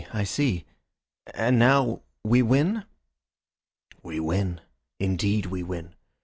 I see. And now we win?" "We win. Indeed we win.